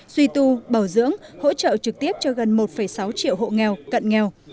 duy tu bảo dưỡng hỗ trợ trực tiếp cho gần một sáu triệu hộ nghèo cận nghèo